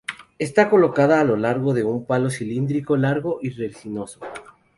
Está colocada a lo largo de un palo cilíndrico largo y resinoso.